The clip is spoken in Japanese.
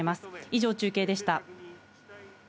以上、中継でした。